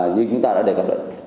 như chúng ta đã đề cập lại